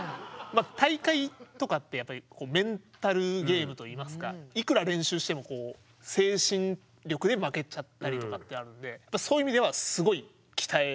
大会とかってやっぱりメンタルゲームといいますかいくら練習してもこう精神力で負けちゃったりとかってあるのでそういう意味ではすごい鍛えられましたよね